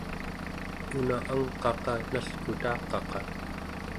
una angqaqa nalkutaqaqa